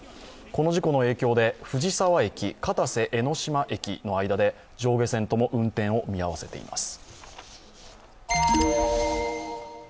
この事故の影響で、藤沢駅−片瀬江ノ島駅の間で上下線とも運転を見合わせています。